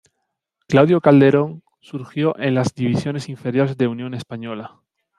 Claudio Calderón surgió en las divisiones inferiores de Unión Española.